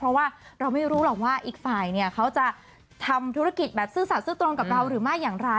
เพราะว่าเราไม่รู้หรอกว่าอีกฝ่ายเนี่ยเขาจะทำธุรกิจแบบซื่อสัตซื่อตรงกับเราหรือไม่อย่างไร